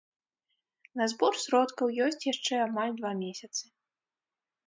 На збор сродкаў ёсць яшчэ амаль два месяцы.